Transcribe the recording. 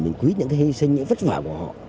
mình quý những cái hy sinh những vất vả của họ